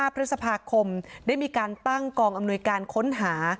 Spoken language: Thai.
พฤษภาคมได้มีการตั้งกองอำนวยการค้นหา